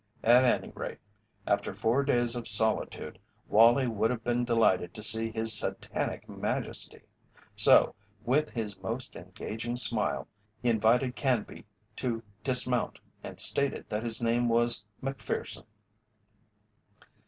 At any rate, after four days of solitude Wallie would have been delighted to see his Satanic Majesty; so, with his most engaging smile, he invited Canby to dismount and stated that his name was "Macpherson."